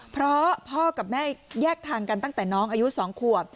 เพราะพ่อกับแม่แยกทางกันตั้งแต่น้องอายุ๒ขวบ